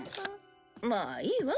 まあいいわ。